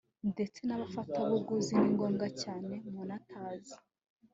ndetse n abafatabuguzi ni ngombwa cyane munatazi